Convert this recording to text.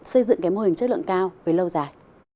xây dựng cái mô hình chất lượng cao với lâu dài